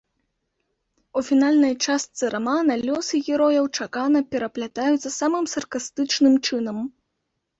У фінальнай частцы рамана лёсы герояў чакана пераплятаюцца самым саркастычным чынам.